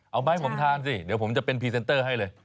เอามาให้ผมทานสิเดี๋ยวผมจะเป็นพรีเซนเตอร์ให้เลย